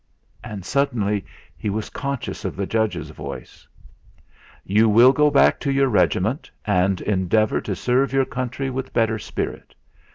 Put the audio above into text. And suddenly he was conscious of the judge's voice: "You will go back to your regiment, and endeavour to serve your country with better spirit.